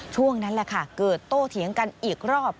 ช่วงนั้นแหละค่ะเกิดโต้เถียงกันอีกรอบ